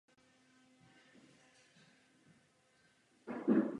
A tedy, pokud chcete protestovat, pošlete námitku své skupině.